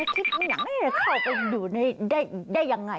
ที่อิหยะงให้เข้าไปดูในแดร่อย่างไร